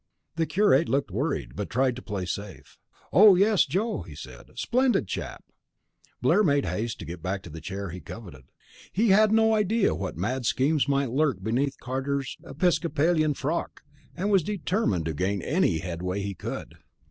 The curate looked worried, but tried to play safe. "Oh, yes, Joe!" he said. "Splendid chap." Blair made haste to get back to the chair he coveted. He had no idea what mad schemes might lurk beneath Carter's episcopalian frock, and was determined to gain any headway he could.